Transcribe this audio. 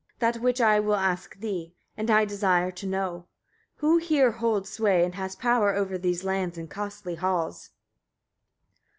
that which I will ask thee, and I desire to know: who here holds sway, and has power over these lands and costly halls?